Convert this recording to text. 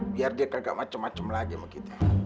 biar dia kagak macem macem lagi sama kita